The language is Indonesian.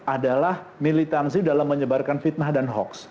adalah militansi dalam menyebarkan fitnah dan hoax